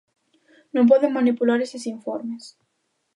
Non poden manipular eses informes.